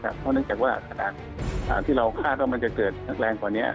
เพราะเนื่องจากว่าขนาดที่เราคาดว่ามันจะเกิดแรงกว่านี้